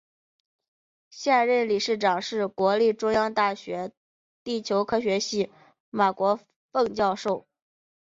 现任理事长是国立中央大学地球科学系马国凤教授。